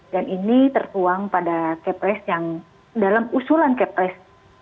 dan ini tertuang pada kpres yang dalam usulan kpres